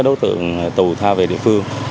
các đối tượng tù tha về địa phương